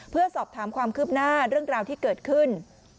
เพื่อสอบถามความคืบหน้าเรื่องราวที่เกิดขึ้น